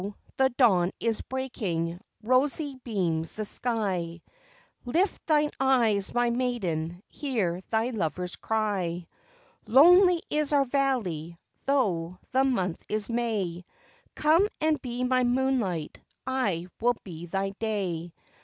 the dawn is breaking, rosy beams the sky. Lift thine eyes, my maiden, hear thy lover's cry. "Lonely is our valley, though the month is May, Come and be my moonlight, I will be thy day.